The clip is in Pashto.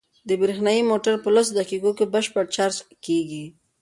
دا برېښنايي موټر په لسو دقیقو کې بشپړ چارج کیږي.